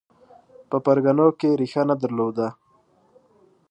په پرګنو کې ریښه نه درلوده